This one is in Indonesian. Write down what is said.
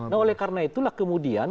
nah oleh karena itulah kemudian